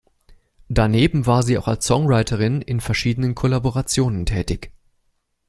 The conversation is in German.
Daneben war sie auch als Songwriterin in verschiedenen Kollaborationen tätig.